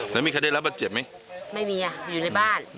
แล้วมีใครได้รับบาดเจ็บไหมไม่มีอ่ะอยู่ในบ้าน